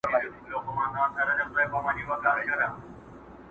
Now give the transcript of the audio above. له کلونو پوروړی د سرکار وو،